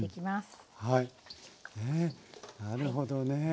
なるほどね。